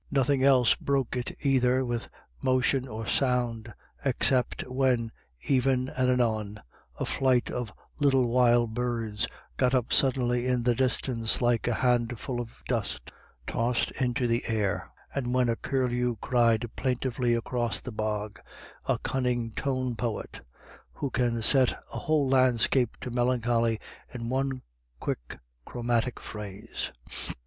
Nothing else broke it either with motion or sound, except when, ever and anon, a flight of little wild birds got up suddenly in the distance, like a handful of dust tossed into the air, and when a curlew cried plaintively across the bog, a cunning tone poet, who can set a whole landscape to melancholy in one quick chromatic phrase.